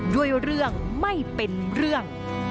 ด้วยเรื่องไม่เป็นเรื่อง